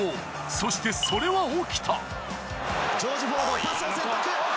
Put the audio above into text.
そして、それは起きた。